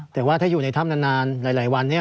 แต่ว่าในท่ำนานหลายวันเนี่ย